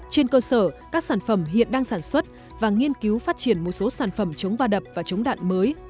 trên cơ sở các sản phẩm hiện đang sản xuất và nghiên cứu phát triển một số sản phẩm chống va đập và chống đạn mới